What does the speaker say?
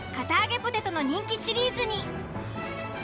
ポテトの人気シリーズに。